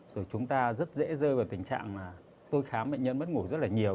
rồi chúng ta rất dễ rơi vào tình trạng mà tôi khám bệnh nhân mất ngủ rất là nhiều